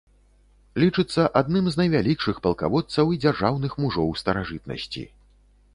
Лічыцца адным з найвялікшых палкаводцаў і дзяржаўных мужоў старажытнасці.